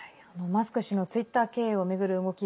マスク氏のツイッター経営を巡る動き